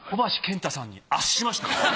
小橋建太さんに圧勝しました。